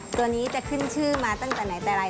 ตัวนี้จะขึ้นชื่อมาตั้งแต่ไหนแต่ไร